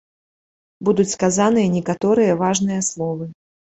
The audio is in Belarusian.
Будуць сказаныя некаторыя важныя словы.